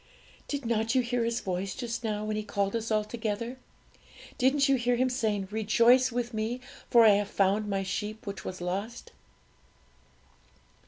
Did not you hear His voice just now, when He called us all together? didn't you hear Him saying, 'Rejoice with Me for I have found My sheep which was lost'?"